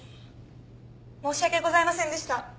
申し訳ございませんでした！